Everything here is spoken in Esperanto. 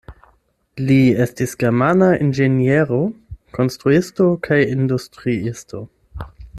Li estis germana inĝeniero, konstruisto kaj industriisto.